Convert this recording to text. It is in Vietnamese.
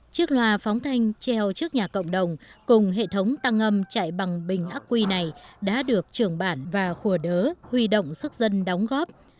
chiếc loa phóng thanh treo trước nhà cộng đồng cùng hệ thống tăng âm chạy bằng bình ác quy này đã được trưởng bản và khùa đớ huy động sức dân đóng góp